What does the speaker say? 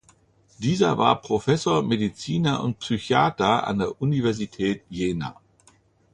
Dieser war Professor, Mediziner und Psychiater an der Universität Jena.